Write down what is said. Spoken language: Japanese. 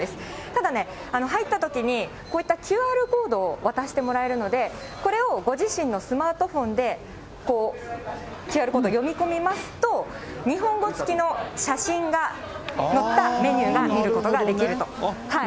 ただね、入ったときに、こういったＱＲコードを渡してもらえるので、これをご自身のスマートフォンでこう、ＱＲコードを読み込みますと、日本語つきの写真が載ったメニューが見ることができると。